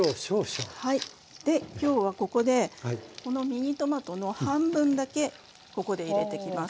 できょうはここでこのミニトマトの半分だけここで入れてきます。